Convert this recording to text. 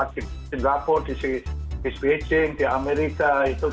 di singapura di beijing di amerika